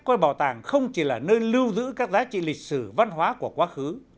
coi bảo tàng không chỉ là nơi lưu giữ các giá trị lịch sử văn hóa của quá khứ